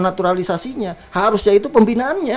naturalisasinya harusnya itu pembinaannya